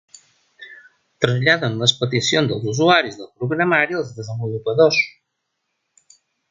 Traslladen les peticions dels usuaris del programari als desenvolupadors.